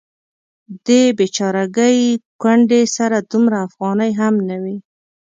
دې بیچارګۍ کونډې سره دومره افغانۍ هم نه وې.